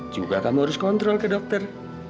juga kamu harus kontrol ke dokter